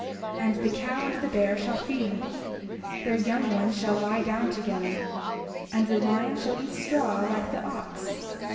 30:13 And the cow and the bear shall feed; their young ones shall lie down together; and the lion shall eat straw like the ox.